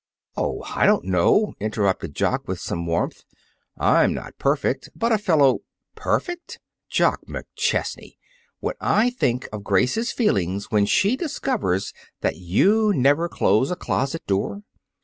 "Oh, I don't know," interrupted Jock, with some warmth, "I'm not perfect, but a fellow " "Perfect! Jock McChesney, when I think of Grace's feelings when she discovers that you never close a closet door!